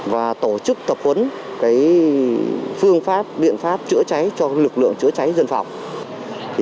và tổ chức tập huấn phương pháp biện pháp chữa cháy cho lực lượng chữa cháy dân phòng